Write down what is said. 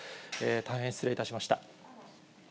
大変失礼いたしました。